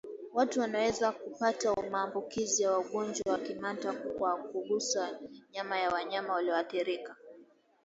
Watu wanaweza kupata maambukizi ya ugonjwa wa kimeta kwa kugusa nyama ya wanyama walioathirika